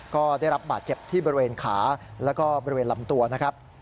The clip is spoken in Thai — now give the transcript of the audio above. ก็ได้รับบาดเจ็บที่บริเวณขาแล้วก็บริเวณลำตัวนะครับ